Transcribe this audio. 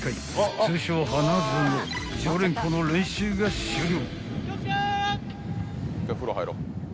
通称「花園」常連校の練習が終了］